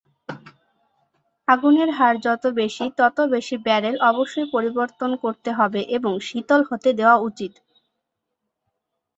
আগুনের হার যত বেশি, তত বেশি ব্যারেল অবশ্যই পরিবর্তন করতে হবে এবং শীতল হতে দেওয়া উচিত।